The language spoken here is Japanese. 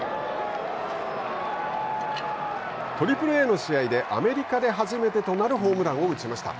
３Ａの試合でアメリカで初めてとなるホームランを打ちました。